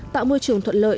tạo môi trường thuận lợi